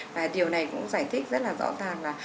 và điều này cũng giải thích rất là rõ ràng là